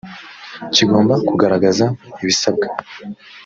kigomba kugaragaza ibisabwa.